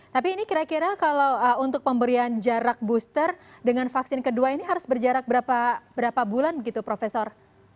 tapi ini kira kira kalau untuk pemberian jarak booster dengan vaksin kedua ini harus berjarak berapa bulan begitu profesor